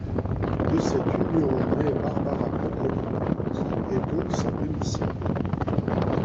De cette union naît Barbara Broccoli, qui est donc sa demi-sœur.